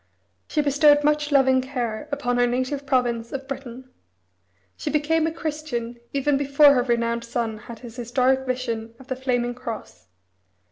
She bestowed much loving care upon her native province of Britain. She became a Christian even before her renowned son had his historic vision of the flaming cross.